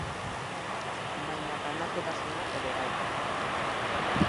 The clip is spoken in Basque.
Baina banakotasuna ere bai.